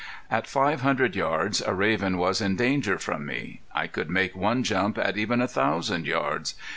At five hundred yards a raven was in danger from me. I could make one jump at even a thousand yards.